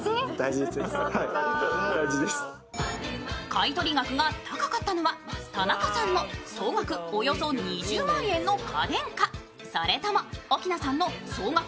買取額が高かったのは田中さんの総額およそ２０万円の家電か、それとも奧菜さんの総額